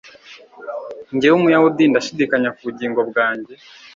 Jyewe Umuyahudi ndashidikanya ku bugingo bwanjye